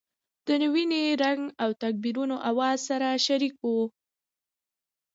د وینې رنګ او تکبیرونو اوازونه شریک وو.